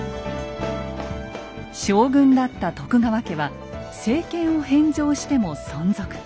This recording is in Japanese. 将軍だった徳川家は政権を返上しても存続。